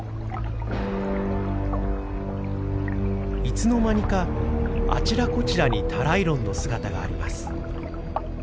いつの間にかあちらこちらにタライロンの姿があります。